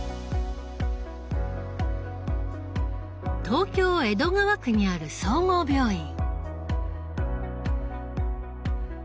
東京江戸川区にある総合病院。